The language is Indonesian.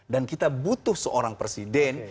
kita butuh seorang presiden